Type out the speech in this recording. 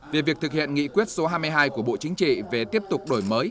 về việc thực hiện nghị quyết số hai mươi hai của bộ chính trị về tiếp tục đổi mới